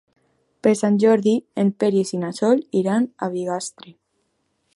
Per Sant Jordi en Peris i na Sol iran a Bigastre.